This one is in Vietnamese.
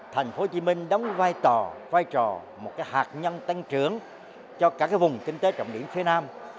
tp hcm đóng vai trò vai trò một hạt nhân tăng trưởng cho cả vùng kinh tế trọng điểm phía nam